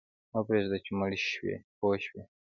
مه پرېږده چې مړ شې پوه شوې!.